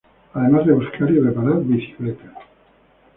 Además de buscar y reparar bicicletas.